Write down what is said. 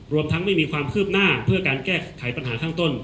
รวมทั้งไม่มีความคืบหน้าเพื่อการแก้ไขปัญหาข้างต้น